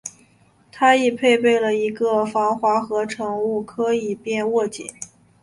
它亦配备了一个防滑合成物料以便紧握。